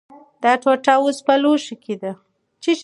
دا ټوټه اوس په لوښي کې ده.